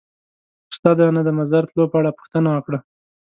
استاد رانه د مزار تلو په اړه پوښتنه وکړه.